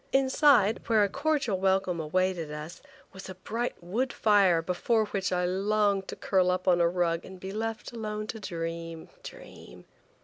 Inside, where a cordial welcome awaited us, was a bright wood fire before which I longed to curl up on a rug and be left alone to dream–dream.